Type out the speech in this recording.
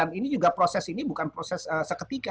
dan ini juga proses ini bukan proses seketika